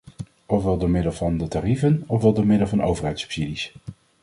Ofwel door middel van de tarieven, ofwel door middel van overheidssubsidies.